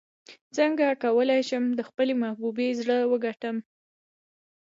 څنګه کولی شم د خپلې محبوبې زړه وګټم